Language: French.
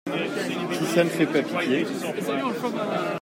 Si ça ne fait pas pitié !…